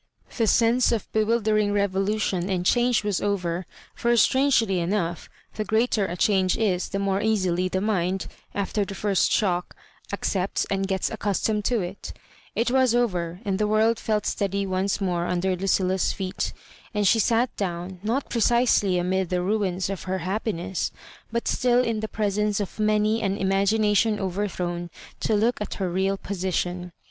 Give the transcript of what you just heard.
The fiense of bewildering revolution and change was over; for, strangely enough, the greater a change is the more easily the mind, after the first shook, accepts and gets accustomed to it It wap over, and the world felt steady once more under Lucilla's feeti and she sat down, not precisely amid the ruins of her happiness, but still in the presence of many an imagination overthrown to look at her real position.